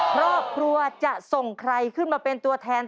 ครอบครัวจะส่งใครขึ้นมาเป็นตัวแทน